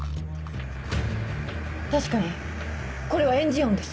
確かにこれはエンジン音です。